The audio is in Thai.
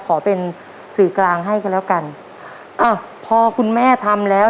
ขอเป็นสื่อกลางให้กันแล้วกันอ้าวพอคุณแม่ทำแล้ว